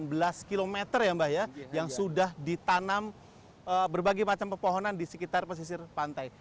ada sembilan belas kilometer ya mbah ya yang sudah ditanam berbagai macam pepohonan di sekitar pesisir pantai